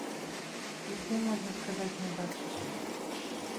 І ты, можна сказаць, не бачыш.